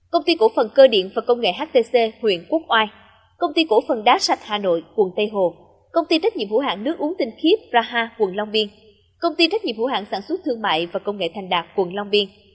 công ty trách nhiệm hữu hạng sản xuất thương mại và công nghệ thành đạt quận long biên